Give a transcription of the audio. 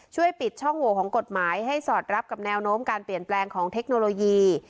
ปิดช่องโหวของกฎหมายให้สอดรับกับแนวโน้มการเปลี่ยนแปลงของเทคโนโลยี